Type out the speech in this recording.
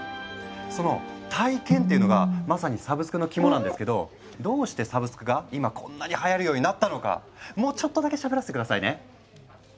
その体験っていうのがまさにサブスクの肝なんですけどどうしてサブスクが今こんなにはやるようになったのかもうちょっとだけしゃべらせて下さいね。